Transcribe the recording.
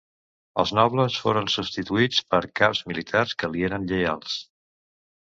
Els nobles foren substituïts per caps militars que li eren lleials.